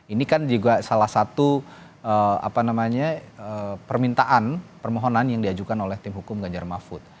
ini kan juga salah satu permintaan permohonan yang diajukan oleh tim hukum ganjar mahfud